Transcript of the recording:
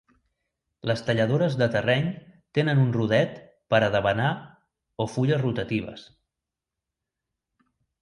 Les talladores de terreny tenen un rodet per a debanar o fulles rotatives.